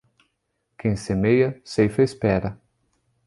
Quem semeia, ceifa espera.